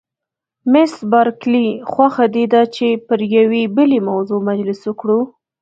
مس بارکلي: خوښه دې ده چې پر یوې بلې موضوع مجلس وکړو؟